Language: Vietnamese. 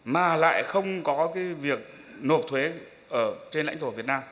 mà lại không có cái việc nộp thuế ở trên lãnh thổ việt nam